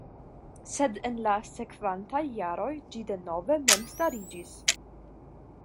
Sed en la sekvantaj jaroj ĝi denove memstariĝis.